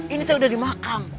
ini tuh udah dimakam